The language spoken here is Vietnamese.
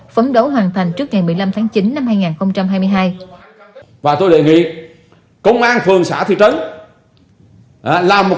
phấn đấu hoàn thành trước ngày một mươi năm tháng chín năm hai nghìn hai mươi hai